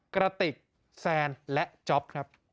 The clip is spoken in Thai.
กระติกแซนและจ๊อปครับ